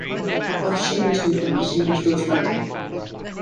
After she and Waterman divorced, she married George Bowling.